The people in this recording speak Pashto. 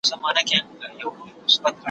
تر قیامته به یې حرف ویلی نه وای.